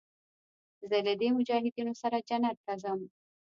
زه له دې مجاهدينو سره جنت ته ځم.